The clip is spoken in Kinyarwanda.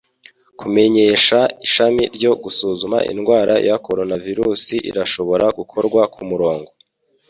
Kumenyesha ishami ryo gusuzuma indwara ya coronavirus irashobora gukorwa kumurongo.